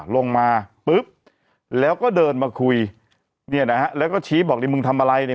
ลงมาปุ๊บแล้วก็เดินมาคุยเนี่ยนะฮะแล้วก็ชี้บอกนี่มึงทำอะไรเนี่ย